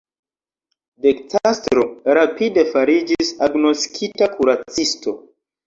De Castro rapide fariĝis agnoskita kuracisto.